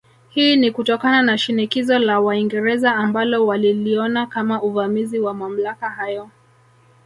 Hii ni kutokana na shinikizo la Waingereza ambalo waliliona kama uvamizi wa mamlaka yao